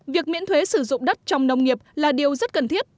việc miễn thuế sử dụng đất trong nông nghiệp là điều rất cần thiết